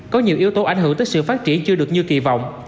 có nhiều yếu tố ảnh hưởng tới sự phát triển chưa được như kỳ vọng